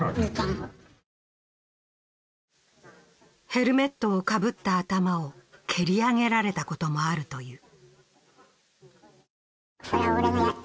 ヘルメットをかぶった頭を蹴り上げられたこともあるという。